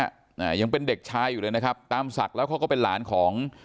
อ่ายังเป็นเด็กชายอยู่เลยนะครับตามศักดิ์แล้วเขาก็เป็นหลานของ